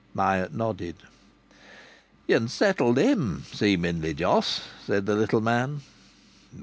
Myatt nodded. "Ye'n settled him, seemingly, Jos!" said the little man.